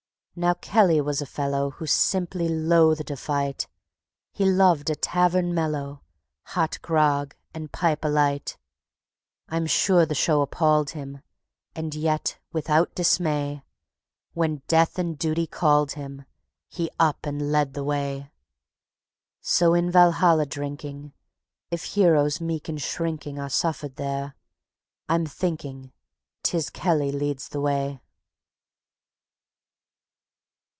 _ Now Kelly was a fellow Who simply loathed a fight: He loved a tavern mellow, Grog hot and pipe alight; I'm sure the Show appalled him, And yet without dismay, When Death and Duty called him, He up and led the way. _So in Valhalla drinking (If heroes meek and shrinking Are suffered there), I'm thinking 'Tis Kelly leads the way.